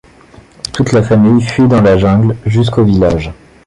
Toute la famille fuit dans la jungle jusqu'au village.